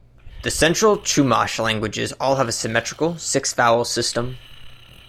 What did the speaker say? The Central Chumash languages all have a symmetrical six-vowel system.